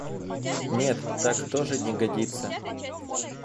Нет, так тоже не годится!